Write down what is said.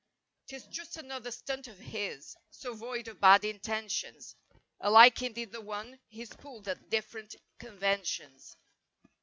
'Tis just another stunt of his, So void of bad intentions, Alike indeed the ones he's pulled At different conventions.